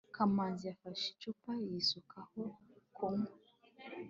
kamanzi yafashe icupa yisukaho kunywa